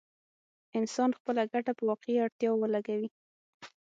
انسان خپله ګټه په واقعي اړتياوو ولګوي.